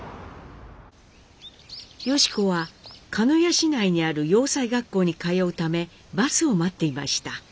良子は鹿屋市内にある洋裁学校に通うためバスを待っていました。